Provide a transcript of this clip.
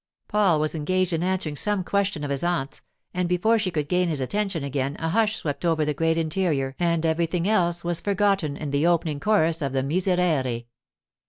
Paul was engaged in answering some question of his aunt's, and before she could gain his attention again a hush swept over the great interior and everything else was forgotten in the opening chorus of the 'Miserere.